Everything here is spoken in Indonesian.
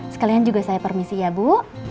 sekalian juga saya permisi ya bu